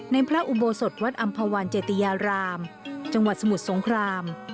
พระอุโบสถวัดอำภาวันเจติยารามจังหวัดสมุทรสงคราม